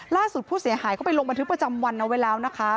ผู้เสียหายเขาไปลงบันทึกประจำวันเอาไว้แล้วนะคะ